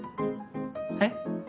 えっ？